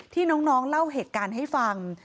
ที่น้องเล่าเหตุการณ์ให้ฟัง